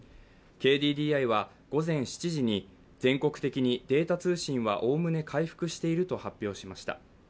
ＫＤＤＩは午前７時に全国的にデータ通信はおおむね回復していると発表しました。